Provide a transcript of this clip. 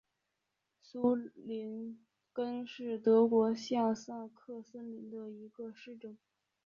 苏林根是德国下萨克森州的一个市镇。